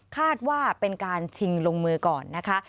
คาดว่าเป็นการชิงลงมือก่อนนะคะ